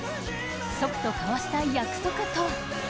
祖父と交わした約束とは。